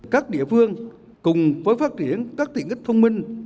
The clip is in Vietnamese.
các địa phương cùng với phát triển các tiện ích thông minh